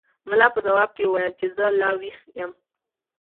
ملا په ځواب کې وویل چې زه لا ویښ یم.